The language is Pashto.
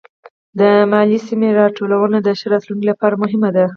د ماليې سمه راټولونه د ښه راتلونکي لپاره مهمه ده.